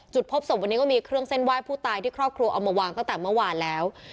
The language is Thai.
พบศพวันนี้ก็มีเครื่องเส้นไหว้ผู้ตายที่ครอบครัวเอามาวางตั้งแต่เมื่อวานแล้ว